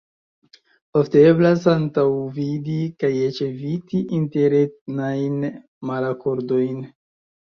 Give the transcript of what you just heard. Ofte eblas antaŭvidi kaj eĉ eviti interetnajn malakordojn.